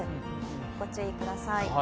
ご注意ください。